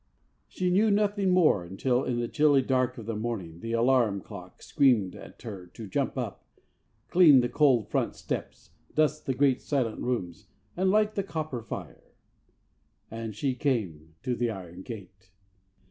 She knew nothing more until, in the chilly dark of the morning, the alarum clock screamed at her to jump up, clean the cold front steps, dust the great silent rooms, and light the copper fire. 'And she came to the iron gate.'